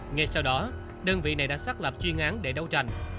ngay sau đó đơn vị này đã xác lập chuyên án để đấu tranh